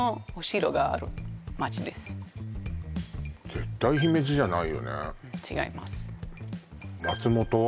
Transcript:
絶対姫路じゃないよね違います松本？